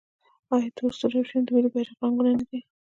آیا تور، سور او شین د ملي بیرغ رنګونه نه دي؟